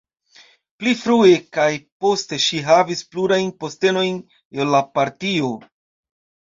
Pli frue kaj poste ŝi havis plurajn postenojn en la partio.